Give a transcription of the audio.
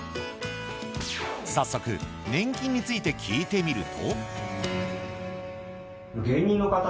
早速、年金について聞いてみると。